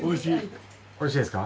美味しいですか？